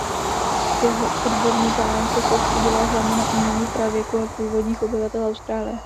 Jeho odborný zájem se soustřeďoval hlavně na umění pravěku a původních obyvatel Austrálie.